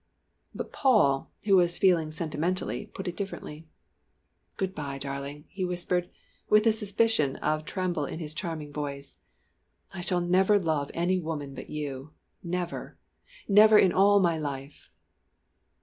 But Paul, who was feeling sentimental, put it differently. "Good bye, darling," he whispered with a suspicion of tremble in his charming voice. "I shall never love any woman but you never, never in my life."